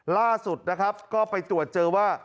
ล่าสุดนะครับก็ไปตรวจเจอว่า